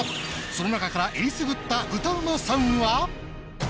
その中からえりすぐった歌うまさんは。